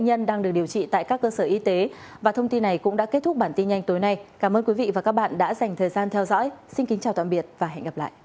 hãy đăng ký kênh để ủng hộ kênh của chúng mình nhé